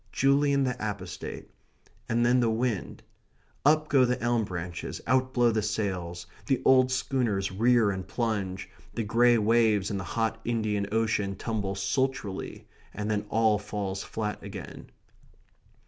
"Julian the Apostate" and then the wind. Up go the elm branches, out blow the sails, the old schooners rear and plunge, the grey waves in the hot Indian Ocean tumble sultrily, and then all falls flat again.